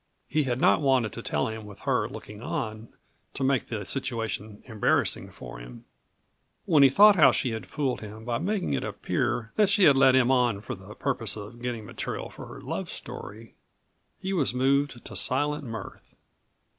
He had not wanted to tell him with her looking on to make the situation embarrassing for him. When he thought of how she had fooled him by making it appear that she had led him on for the purpose of getting material for her love story, he was moved to silent mirth.